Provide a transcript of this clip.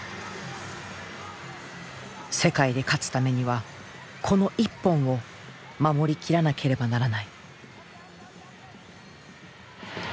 世界で勝つためにはこの一本を守りきらなければならない。